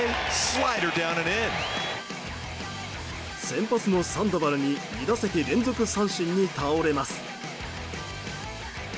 先発のサンドバルに２打席連続三振に倒れます。